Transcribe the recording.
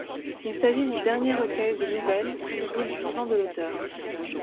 Il s'agit du dernier recueil de nouvelles publié du vivant de l'auteur.